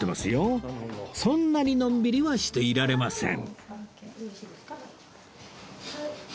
そんなにのんびりはしていられません